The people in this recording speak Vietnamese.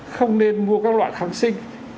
không nên mua các loại kháng sinh